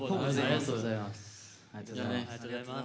ありがとうございます。